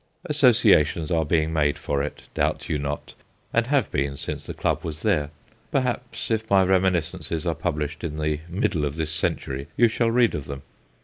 Associations are being made for it, doubt you not, and have been since the club was there : perhaps if my reminiscences are pub lished in the middle of this century you shall read of them.